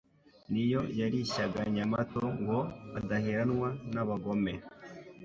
Ni yo yarishyaga Nyamato Ngo adaheranwa n'abagome,